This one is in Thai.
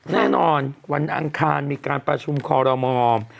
แน่นอนวันอังคารมีการประชุมคอรมอล์